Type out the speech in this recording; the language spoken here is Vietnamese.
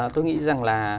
tôi nghĩ rằng là